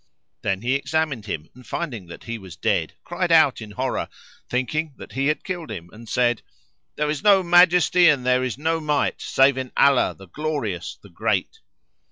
Then he examined him and, finding that he was dead, cried out in horror, thinking that he had killed him, and said, "There is no Majesty and there is no Might save in Allah, the Glorious, the Great!"